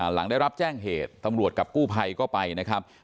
หลังได้รับแจ้งเหตุตำรวจกับกู้ภัยก็ไปนะครับ